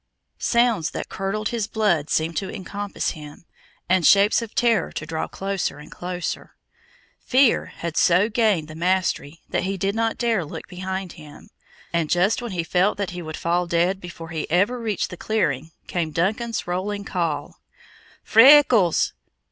Sounds that curdled his blood seemed to encompass him, and shapes of terror to draw closer and closer. Fear had so gained the mastery that he did not dare look behind him; and just when he felt that he would fall dead before he ever reached the clearing, came Duncan's rolling call: "Freckles!